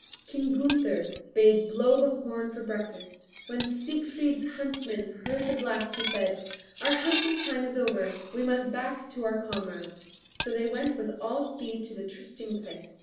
King Gunther bade blow the horn for breakfast. When Siegfried's huntsman heard the blast he said: "Our hunting time is over; we must back to our comrades." So they went with all speed to the trysting place.